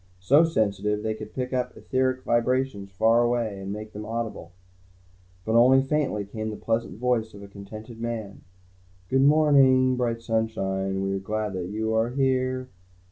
So sensitive, they could pick up etheric vibrations far away and make them audible. But only faintly, came the pleasant voice of a contented man: "Good morning, bright sunshine, We're glad you are here.